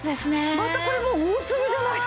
またこれも大粒じゃないですか。